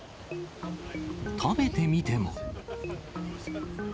食べてみても。